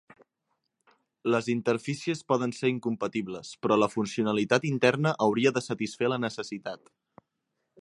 Les interfícies poden ser incompatibles, però la funcionalitat interna hauria de satisfer la necessitat.